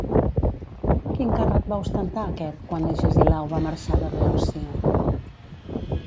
Quin càrrec va ostentar aquest quan Agesilau va marxar de Beòcia?